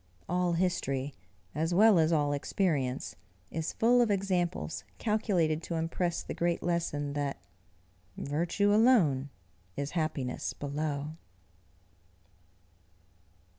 All history, as well as all experience, is full of examples calculated to impress the great lesson that "VIRTUE alone is HAPPINESS below."